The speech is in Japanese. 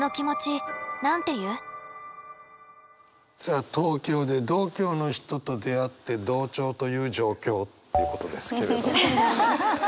さあ東京で同郷の人と出会って同調という状況っていうことですけれども。